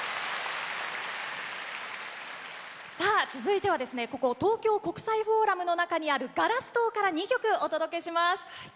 続いてはここ東京国際フォーラムにあるガラス棟から２曲お届けします。